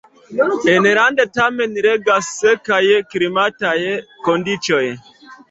Enlande tamen regas sekaj klimataj kondiĉoj.